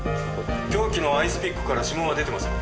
凶器のアイスピックから指紋は出てません。